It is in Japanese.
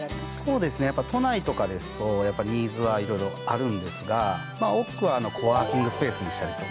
そうですねやっぱ都内とかですとニーズはいろいろあるんですが多くはコワーキングスペースにしたりとか。